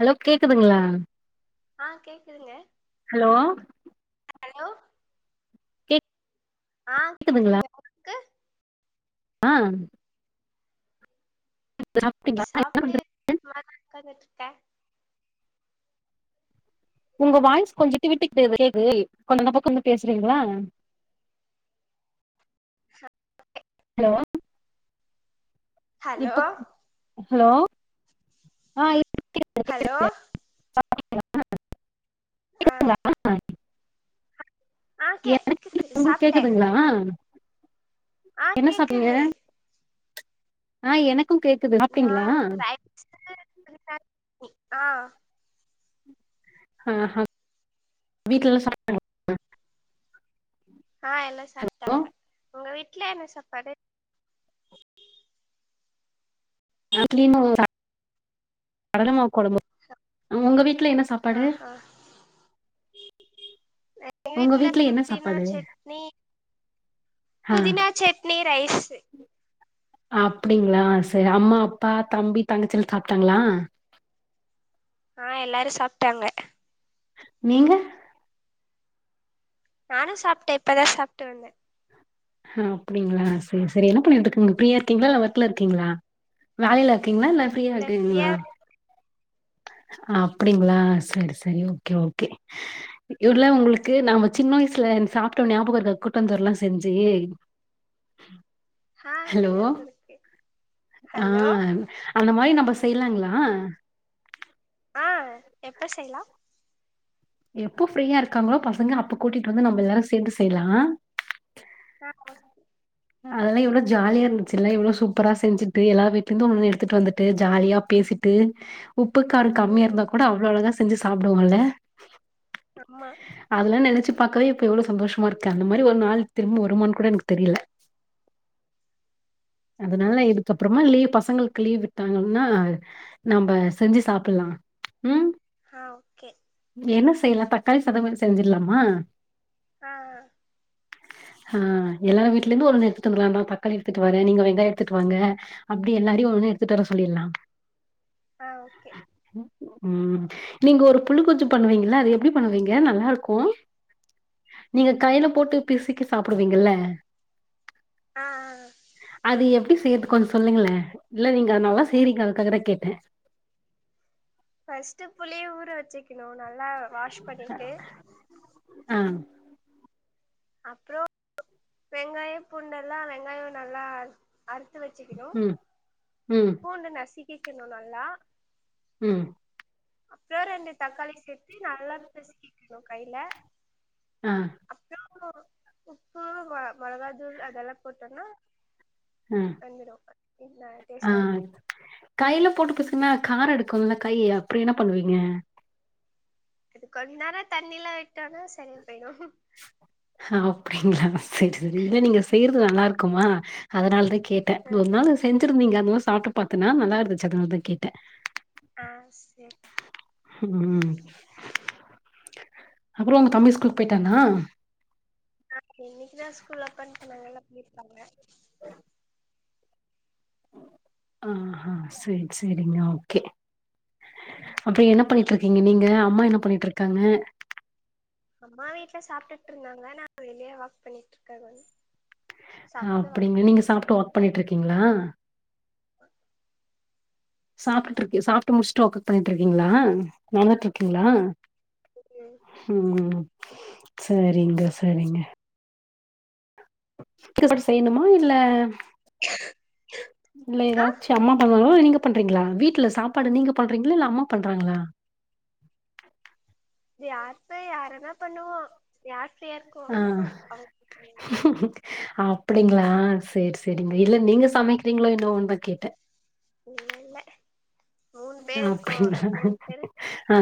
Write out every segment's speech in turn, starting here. Hello கேக்குதுங்களா ஆ கேக்குதுங்க ஹலோ ஹலோ ஆஹ் கேக்குதுங்க உங்களுக்கு ஆஹ் சாப்டிங்களா என்ன சாப்ட்டு பண்றீங்க [unintelligible] உங்க வாய்ஸ் கொஞ்ச விட்டு விட்டு கேக்குது கொஞ்ச இந்த பக்கம் வந்து பேசுறீங்களா ஹலோ ஹலோ இப்ப ஹலோ ஆஹ ஹலோ [inaudible] ஆஹ் கேக்குதுங்களா ஆஹ எனக்கு கேக்குது கேக்து உங்களுக்கு சாப்பிட்டே கேக்குதுங்களா ஆஹ் கேக்குது ஆஹ் எனக்கு கேக்குது நா சாப்ட்டீங்களா [inaudible] ஆ ஆ ஹ வீட்லெல்லா சாப்ட்டாங்ளா ஆ எல்லா சாப்ட்டாங்க உங்க வீட்ல என்ன சாப்பாடு [unintelligible] கடலமாவு கொழம்பு உங்க வீட்ல என்ன சாப்பாடு ஆஹா எங்க உங்க வீட்ல என்ன புதினா சாப்பாடு சட்னி ஆ புதினா சட்னி ரைஸு அப்படிங்ளா சரி அம்மா அப்பா தம்பி தங்கச்சிலா சாப்ட்டாங்ளா ஆ எல்லாரு சாப்ட்டாங்க நீங்க நானு சாப்ட்ட இப்பதா சாப்ட்டு வந்த அப்டிங்ளா செரி செரி என்ன பண்ணிட்ருக்கிங்க ஃப்ரீயா இருக்கிங்ளா ஆ இல்ல ஒர்க்ல இருக்கிங்ளா வேலைல இருக்கிங்ளா இல்ல ஃப்ரீயா இருக்கிங்ளா அப்டிங்ளா செரி செரி ஓகே ஓகே இல்ல உங்களுக்கு நாம சின்ன வயசுல சாப்ட்டோ ஞாபக இருக்கா கூட்டாஞ்சோறு எல்லா செஞ்சு ஹா ஹலோ ஞாபகருக்கு ஆ ஹலோ அந்த மாரி நாம செய்லாங்ளா ஆ எப்ப செய்லா எப்போ ஃப்ரீயா இருக்காங்களோ பசங்க அப்ப கூட்டிட்டு வந்து நம்ம எல்லாரு சேந்து செய்லா ஆ ஓ அதெல்லா எவ்ளோ ஜாலியா இருந்துச்சுல்ல எவ்ளோ சூப்பரா செஞ்சுட்டு எல்லா வீட்லிருந்து ஒன்னு ஒன்னு எடுத்துட்டு வந்துட்டு ஜாலியா பேசி ட்டு உப்பு கார கம்மியா ம் இருந்தா கூட அவ்ள அழகா செஞ்சு சாப்டுவோல்ல ஆமா அதெல்லா நெனச்சு பாக்கவே இப்ப எவ்ள சந்தோஷமா இருக்கு அந்த மாரி ஒரு நாள் திரும்ப வருமான் கூட எனக்கு தெரில ஆ அதனால இதுக்கப்பறமா லீவ் பச பசங்களுக்கு லீவு விட்டாங்கன்னா நம்ம செஞ்சு சாப்பில்லாம் ம் ஆ ஓகே என்ன செய்யலாம் தக்காளி சாதம் செஞ்சிடலாமா ஆ ஆ எல்லார வீட்டுலேருந்து ஒன்னு எடுத்து வந்துருவாங்க தக்காளி எடுத்துட்டு வர வேற நீங்க வெங்காயம் எடுத்துட்டு வாங்க அப்பிடி எல்லாரையும் ஒன்னு ஒன்னு எடுத்துட்டு வர சொல்லிடலாம் ஆ ஓகே ம் நீங்க ஒரு புல்லு கொச்சு பண்ணுவீங்கள அது எப்பிடி பண்ணுவீங்க நல்லா இருக்கோ நீங்க கையில போட்டு பிசுக்கி சாப்டுவீங்கல்ல ஆ ஆ ஆ அது எப்பிடி செய்றது கொஞ்சம் சொல்லுங்களேன் இல்ல நீங்க நல்லா செய்றீங்க அதுக்காகதா கேட்டேன் ஃபர்ஸ்ட் புளிய ஊற வச்சுக்கணும் நல்லா வாஷ் பண்ணிட்டு ஆ அப்பறோ வெங்காயோ பூண்டெல்லாம் வெங்காயோ நல்லா அர றுத்து வச்சுக்கணும் ம் ம். பூண்டு நசிக்கிக்கணும் நல்லா ம் அப்பறோ ரெண்டு தக்காளி சேத்து நல்லா பிசிக்கிக்கணும் கையில ஆ, உப்பு மொ மொளகாதூள் அதுெல்லாம் போட்டோனா ம் ஆ டேஸ்ட்டா இருக்கு கையில போட்டு பிசி ல்ல காரோ எடுக்கோல்ல கை அப்றோ என்ன பண்ணுவீங்க அது கொஞ்ச நேரோ தண்ணில்ல விட்டோனா சரியாப் அ அப்டிங்களா சரி இல்ல நீங்க செய்யற்து நல்லாருக்குமா அதனாலதா கேட்டே ஆ ஒரு நாள் நீங் செஞ்சிருந்தீங்க அதுவு சாப்ட்டு பாத்தேனா நல்லா இருந்துச்சு அதனால தா கேட்டே ஆ செரி ம் அப்புறோ தம்பி ஸ்கூல் போயிட் டானா ஆ இன்னக்குதா ஸ்கூல் ஓப்பன் பண்ணாங்கல்ல போயிருகாங்க ஆஹா செரி செரிங்க ஓக்கே அப்ப என்ன பண்ணிட்டு இருக்கீங்க நீங்க அம்மா என்ன பண்ணிட்டு இருக்காங்க அம்மா வீட்ல சாப்டுட்டு இருந்தாங்க நா வெளியே வாக் பண்ணிட்டு இருக்கே [unintelligible] வாக் அப்டிங்க பண்ண நீங்க சாப்ட்டு ஒக் பண்ணிட்டு இருக்கீங்களா [unintelligible] சாப்பிட்டு இருக்க சாப்ட்டு முடிச்சுட்டு வோக் அவுட் பண்ணிட்டு இருக்கீங்களா நடந்துட்டு இருக்கீங்களா ம் ம் சரிங்க சரிங்க இருக்கது சாப்பிட்டு எது செய்யணுமா இல்ல இல்ல ஆ ஏதாச்சு அம்மா பண் ஓ நீங்க பண்றீங்களா வீட்டுல சாப்பாடு நீங்க பண்றீங்களா இல்ல அம்மா பண்றாங்களா அத்தை வேரென பண்ணுவோம் யார் ஃப்ரீயா இருக்கோமோ அவுங்க அப்டிங்ளா சேரி சேரிங்க ம் இல்ல நீங்க சமைக்கிறீங்களோ என்னவோன்தா கேட்டே இல்ல இல்ல மூணு பேர் இருக்கோ அப்படிங் மூணு பேரு ஆ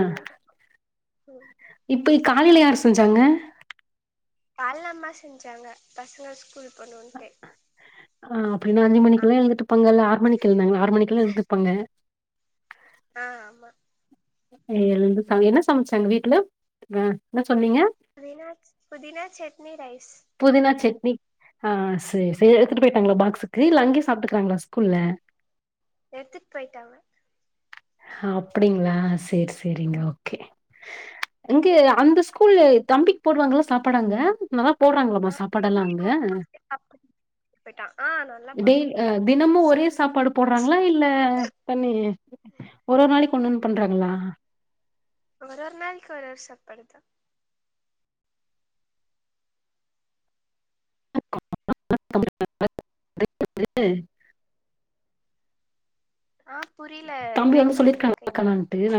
ம் இப்ப காலயில யார் செஞ்சாங்க கால்ல அம்மா செஞ்சாங்க பசங்க ஸ்கூல் போணுன்ட்டு ஆ அப்பின்னா அஞ்சு ஆ மணிக்குல்லா எழுந்துட்டுருபாங்க இல்ல ஆறு மணக்கு எழுந்தாங்களா ஆறு மணிக்கு எல்லா எழுந்துருப்பாங்க ஆ ஆமா எழுந்து சமயல் என்ன சமச்சாங்க வீட்ல ஆ சொன்னீங்க புதினா புதினா சட்னி ரைஸ் தி ஆ சேரி சேரி எடுத்துட்டு போயிட்டாங்களா பாக்ஸுக்கு இல்ல அங்கேயே சாப்ட்டுக்கறாங்களா ஸ்கூல்ல எடுத்துட்டு போயிட்டாங்க அப்டிங்களா சேரி சேரிங்க ஓகே இங்க அந்த ஸ்கூல்ல தம்பிக்கு போடுவாங்கல்ல சாப்பாடு அங்க நல்லா போட்றாங்களாப்பா ஆ சாப்பாடெல்லா தம்பி அங்க கூப்ட்டு சாப்ட்டு போயிட்டா ஆ நல்லா டெய் போடுறாங்க தினமும் ஒரே சாப்பாடு போடுறாங்களா இல்ல தண்ணி ஒரு நாளைக்கு ஒண்ணொன்னு பண்றாங்களா ஒரு ஒரு நாளைக்கு ஒரு ஒரு சாப்பாடுதா [inaudible] ஆ புரியல தம்பி பிரேக் வந்து ஆகி சொல்லிருக்கானா பிரேக் ஆயி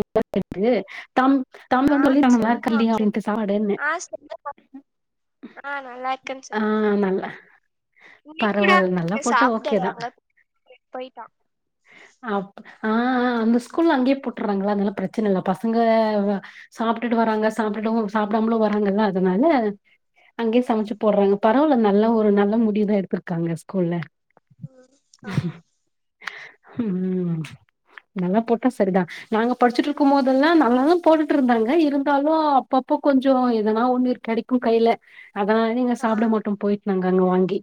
[inaudible] தம் தம் ஆ வந்து சொல்லிர்கானா லாருக்கா சொல்லுவா இல்லியா சொல் அப்டின்ட்டு சாப்பாடுனு ஆ சொல்லுவா ஆ நல்லா இருக்குன் சொல்லுவா நல்லா புடிக்கல பரவால்ல நல்லா போட்டா சாப்பிடல [inaudible] ஓகேதா அங்க போயிட்டா அப் ஆ அ அந்த ஸ்கூல்ல அங்கயே போட்டுறாங்களா அதனால பிரச்சனை இல்ல பசங்க சாப்பிட்டுட்டு வராங்க சாப்பிடவு சாப்பிடாமலு வராங்கல்ல அதனால அங்கேயே சமச்சு போடுறாங்க பரவாயில்ல நல்ல ஒரு நல்ல முடிவுதா எடுத்திருக்காங்க ஸ்கூல்ல ம் ஆமா உம் நல்லா போட்டா சரிதா நாங்க படிச்சுட்டு இருக்கு போதெல்லா நல்லாதா போட்டுட்டு இருந்தாங்க இருந்தாலு அப்பப் ப கொஞ்சோ எதனா ஒண்ணு கெடைக்கு கைல அதனாலயே ஆ சாப்புட மாட்டோ போயிட்டு நாங்க அங்க வாங்கி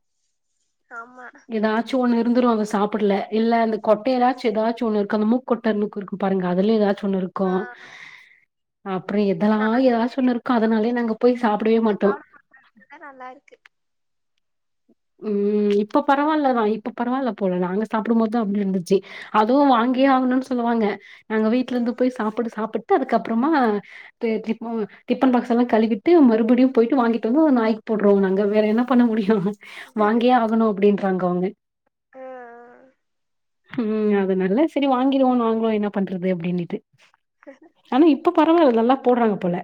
ஆமா எதாச்சு ஒண்ணு வந்துருவாங்க சாப்பிடல இல்ல அந்த ம், கொட்டையாச்சு எதாச்சு ஒன்னு இருக்கு அந்த மூக்கொட்ட மூக்கு இருக்கும் பாருங்க அதுல எதாச்சு ஒன்னுருக்கு ஆ அப்றோ எதெல்லா நானு எதாச்சு ஒன்னுருக்கு அதனாலயே நாங்க போய் சாப்டவே மாட்டோ சாப்ட நல்லா இருக்கு ம் இப்ப பரவால்ல தா இப்ப பரவால்ல போல நாங்க சாப்டும்போத் தா அப்டி இருந்துச்சு அதுவு வாங் கியே ஆகணுன் சொல்லுவாங்க நாங்க வீட்லிர்ந்து ம் போய் சாப்பாடு சாப்புட்டு அதுக்கப்பறமா டி டிஃபோ டிப்பன் பாக்ஸ் எல்லா கழுவிட் டு மறுபடியு போய்ட்டு வாங்கிட்டு வந்து நாய்க் போட்றோ நாங்க வேற என்ன பண்ண முடியு வாங்கியே ஆகணு அப்டி ங்றாங்க அவுங்க ஆ ஹும் அதுனால செரி வாங்கிருவோ நாங்களு என்ன பண்றது அப்டினுட்டு ஆனா இப்ப பரவால்ல நல்லா போட்றாங்க போல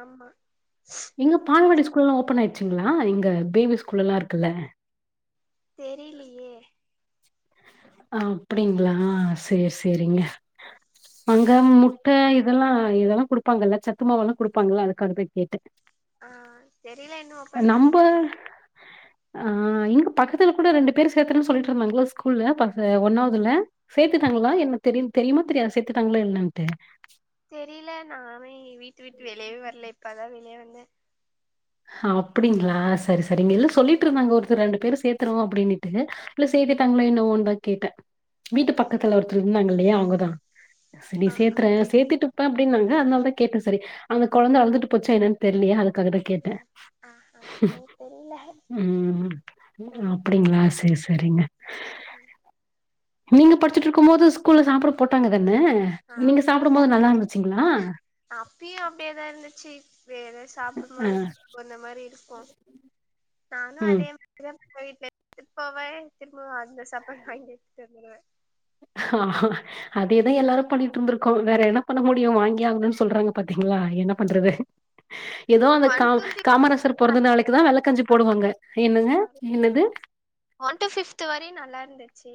ஆமா ஏங்க பால்வாடி ஸ்கூல்லா ஓபன் ஆயிர்ச்சுங்களா இங்க பேபி ஸ்கூலல்லா இருக்குல்ல தெரிலியே ஆ அப்டிங்ளா சேர் சேரிங்க அங்க முட்ட இதெல்லா இதல்லா குடுப்பாங்கல்ல சத்து மாவெல்லா குடுப்பாங்கல்ல அதுக்காக தா கேட்டே ஆ தெரில இன்னு ஓபன் நம்ப பண்ணிட்டாங்களான்னு ஆ இங்க பக்கத்துல கூட ரெண்டு பேரு சேத்தறனு சொல்லிட்ருந்தாங்களா ஸ்கூல்ல ப து ஒன்னாவ்துல சேத்துட்டாங்களா என்ன தெரியும் தெரியுமா தெரியாதா சேத்துட்டாங்ளா என்னன்ட்டு தெரியில நானே வீட்டு விட்டு வெளியவே வர்ல இப்ப தா வெளிய வந்தே அப்படிங்களா சரி சரிங்க இல்ல ஆ சொல்லிட்ருந்தாங்க ஒருத்தர் ரெண்டு பேரு சேத்துருவோ அப்டினுட்டு இல்ல ஆ சேத்திட்டாங்களா என்னவோன் தா கேட்டே வீட்டு தெரில பக்கத்துல ஒருத்தர் இருந்தாங்கில்லயா அவுங்க தா செரி ஆஹா சேத்தறே தெரி சேத்திட்ருப்பே அப்டின்னாங்க அதுனால் தா கேட்டே செரி அந்த கொழந்த அழுதுட்டு போச்சா என்னன் தெர்லயே அதுக்காக டே ஆஹா எனக்கு தெரில ம் ம் அப்டிங்ளா சேர் செரிங்க ம் நீங்க படிச்சிட்ருக்கும் போது ஸ்கூல்ல சாப்பாடு போட்டாங்க தா ன ஆ நீங்க சாப்புடும் போது போட்டாங்க நல்லாருந்துச்சுங்ளா? அப்பயு அப்டியேதா இருந்துச்சு வேற சாப்டும்போது [inaudible] முன்ன மாரி இருக்கு நானு ம் அதே [inaudible] தா போய் வீட்ல [inaudible] இப்பவே திரும்பவு அந்த சாப்பாடு வாங்கிட்டு வந்துருவே அதே தா எல்லாரு பண்ணிட்ருந்திருக்கோ வேற என்ன பண்ண முடியு வாங்கியே ஆகணுன் சொல்றாங்க பாத்தீங் ளா என்ன பண்றது எதோ அந்த ஒன் கா டூ ஃபிஃப்த் வரையு காமராசர் பொறந்த நாளைக்கு தா நல்லா இருந்துச்சு வெல்லக்கஞ்சி சாப்பாடு போடுவாங்க என்னது என்னது ஒன் டூ ஃபிஃப்த் வரையு நல்லார்ந்துச்சு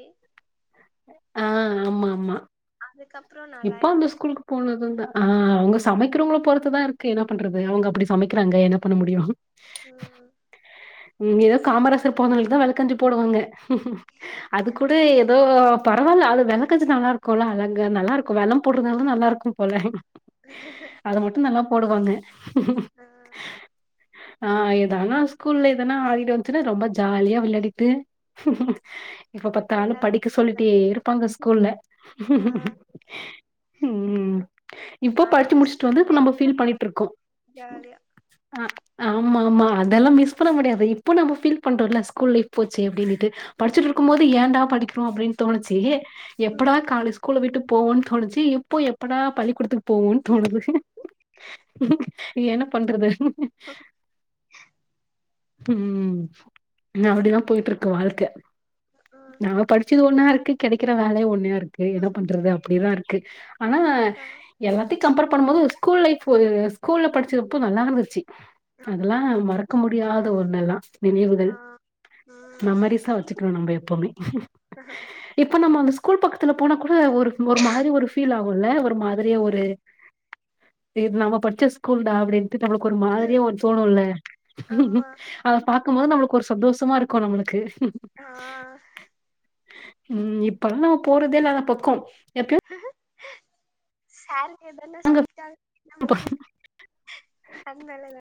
ஆ ஆமா ஆமா அதுக்கப்றோ நல்லா இப்ப இல்ல அந்த ஸ்கூல்க்கு போனது தா ஆ அவுங்க சமைக்கிறவங்கள பொறுத்து தா இருக்கு என்ன பண்றது அவுங்க அப்டி சமைக்கிறாங்க என்ன பண்ண முடியு ம் ம் எதோ காமராசர் பொறந்த நாளுக் தா வெல்லக்கஞ்சி போடுவாங்க அது கூட எ தோ பரவால்ல அது வெல்லக்கஞ்சி நல்லாருக்குல்ல அழகா நல்லாருக்கு வெல்லம் போட்றதுனால தா நல்லாருக்கு போல அத மட்டு நல்லா போடுவாங்க ஆ ஆ எதானா ஸ்கூல்ல எதனா ஆடிட் வந்ச்சுன்னா ரொம்ப ஜாலியா விள்யாடிட்டு எப்ப போட்டி பாத்தாலு எல்லாரு படிக்க சொல்லிட்டே இருப்பாங்க ஸ்கூல்ல உஹ ம் இப்போ படிச்சு முடிச்ட்டு ஸ்கூல் வந்து இப்ப நம்ம லைஃப் ஃபீல் பண்ணிட்ருக்கோ ஜாலியா அ ஆமா ஆமா அதெல்லா மிஸ் பண்ண முடியாது இப்ப நம்ம ஃபீல் பண்றோல்ல ஸ்கூல் லைஃப் போச்சே அப்டினுட்டு ஆ படிச்சிட்ருக்கும் போது ஏண்டா படிக்கிறோ அப்டின் தோணுச்சி எப்படா காலே ஸ்கூல விட்டு போவோன் தோணுச்சி இப்போ எப்படா பள்ளிக்கூடத்துக்கு போவோன் தோணுது என்ன பண்றது? உ ம் அப்டிதா போயிட்ருக்கு வாழ்க்க நா படிச்சது ஒன்னா இருக்கு கெடைக்கிற வேலயு ஒண்ணா இருக்கு என்ன பண்றது அப்டிதா இருக்கு ஆனா எல்லாத்தையு கம்பேர் பண்ணும் போது ஸ்கூல் லைஃப் ஸ்கூல்ல படிச்சதப்போ நல்லாருந்துச்சு அதெல்லா ஆமா மறக்க முடியாத ஒண்ணெல்லா நினைவுகள் ஆ ம் மெமரிஸா வச்சுக்கணு நம்ப எப்பவுமே இப்ப நம்ம அந்த ஸ் கூல் பக்கத்துல போனா கூட ஒரு ஒரு ஃபீல் ல்ல ஒரு மாதிரி ஒரு இது நம்ம படிச்ச ஸ்கூல் டா அப்டின் து நமக்கு ஒரு மாதிரியா ஒண்ணு தோணுல்ல ஆமா அத பாத் இருக்கும்போது நம்மளுக்கு ஒரு சந்தோஷமா இருக்கு நம்மளுக்கு ஆ ம் இப்பெல்லா நா போறதே இல்ல அந்த பக்கோ எப்பயோ சார்ங்க எதனா சொல்டா என்ன பண்றது அதுனாலதா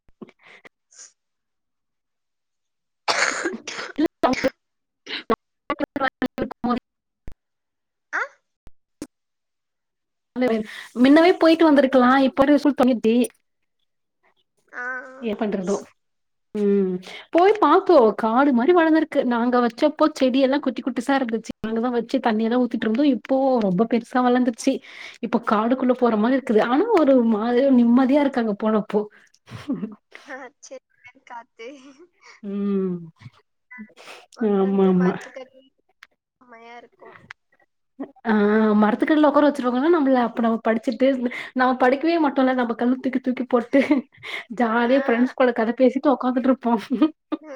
[inaudible] ஆ என்னது மின்னவே போய்ட்டு வந்திருக்கலா இப்ப அது [unintelligible] ஆ ம் போய் பாத்தோ காடு மாரி வளந்துருக்கு நாங்க வச்சப்போ செடி எல்லா குட்டி குட்டிசா இருந்து சு நாங்கதா வச்சு தண்ணியெலா ஊத்திட்ருந்தோ இப்பவு ரொம்ப பெருசா வளந்துருச்சு இப்ப காடுக்குள்ள ஆ போற மாரி இருக்குது ஆனா ஒரு மாதிரி நிம்மதியா இருக்கு அங்க போனப்போ ஆ சேர் சேரி காத்தே ம் உக்காந்து ஆமாமா. மரத்துக்கடில செமையா இருக்கு உம் ஆ மரத்துக்கடில உக்கார வச்சிருவாங்கதான் நம்பள அப்ப நம்ம படிச்சுட்டேருந்து நம்ம படிக்கவே மாட்டோ இல்ல நம்ப கல்ல தூக்கி தூக்கி போட்டு ஆ ஜாலியா ஃப்ரெண்ட்ஸ் கூட கத பேசிட்டு உக்காந்துட்ருப்போ ஆ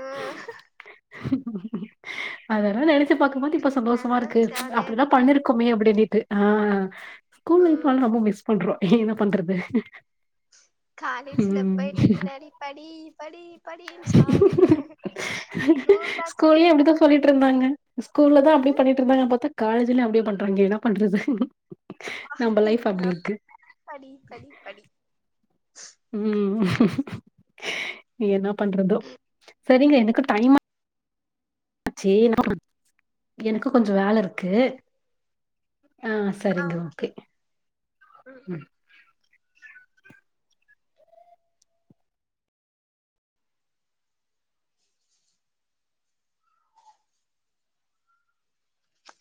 அதெலா நெனைச்சு பாக்கும்போது இப்ப சந்தோஷமா நல்லா இருக்கு ஜாலியா அப்டிதா இருந்தோ பண்ணிருக்கமே அப்டினு கு ஆ ஸ்கூல் லைஃப் ம் ஆனா ரொம்ப மிஸ் பண்றோ என்ன பண்றது காலேஜ்ல ம். போய்ட்டு பின்னாடி படி படி படின் சாவடிக்குரா ஸ்கூல்லயு அப்டிதா சொல்லிட்ருந்தாங்க ஸ்கூல்லதா அப்டி பண்ணிட்ருந்தாங்கன் பாத்தா காலேஜ்லயு அப்டியே பண்றாங்க என்ன பண்றது நம்ம அப்பா லைஃப் எங்க அப்படி இருக்கு. படி படி படி ம் என்னா பண்றதோ சரிங்க எனக்கு டைமா ச்சு எனக்கு கொஞ்ச வேல இருக்கு ஓகேங்க ஆ சரிங்க ஓகே ம்